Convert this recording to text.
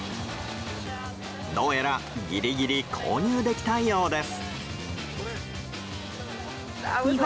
どうやらギリギリ購入できたようです。